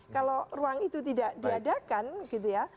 kalau ruang itu tidak diadakan gitu ya